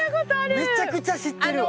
めちゃくちゃ知ってるわ。